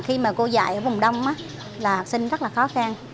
khi mà cô dạy ở vùng đông á là học sinh rất là khó khăn